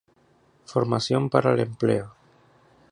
Formación para el Empleo.